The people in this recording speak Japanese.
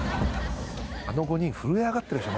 あの５人震え上がってるでしょ